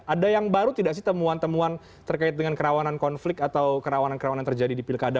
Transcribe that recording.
ada yang baru tidak sih temuan temuan terkait dengan kerawanan konflik atau kerawanan kerawanan terjadi di pilkada